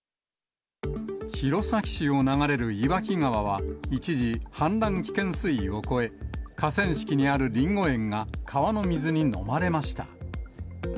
弘前市を流れる岩木川は、一時、氾濫危険水位を超え、河川敷にあるりんご園が川の水にのまれました。